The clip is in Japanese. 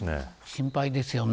心配ですよね。